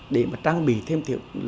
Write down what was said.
để mà trang bị thêm